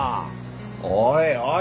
おいおい